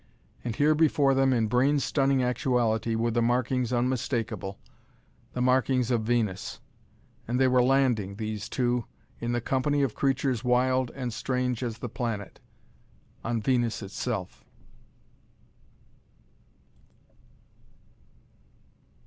And here before them, in brain stunning actuality, were the markings unmistakable the markings of Venus. And they were landing, these two, in the company of creatures wild and strange as the planet on Venus itself!